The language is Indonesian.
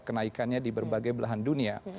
kenaikannya di berbagai belahan dunia